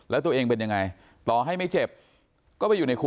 แล้วตัวเองเป็นยังไงต่อให้ไม่เจ็บก็ไปอยู่ในคุก